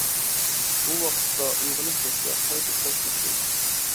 بۇ ۋاقىتتا، ئويغىنىپ كەتسە، قايتا ئۇخلاش تەس بولىدۇ.